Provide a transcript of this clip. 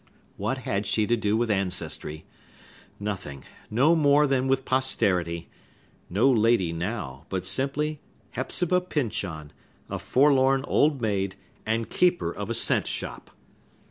What had she to do with ancestry? Nothing; no more than with posterity! No lady, now, but simply Hepzibah Pyncheon, a forlorn old maid, and keeper of a cent shop!